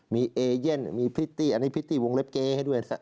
มีเอเย่นมีพริตตี้อันนี้พริตตี้วงเล็บเกย์ให้ด้วย